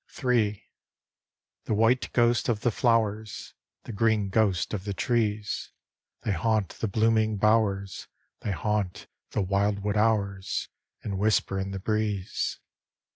III. The white ghosts of the flowers, The green ghosts of the trees: They haunt the blooming bowers, They haunt the wildwood hours, And whisper in the breeze.